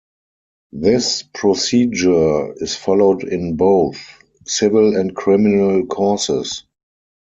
This procedure is followed in both civil and criminal causes.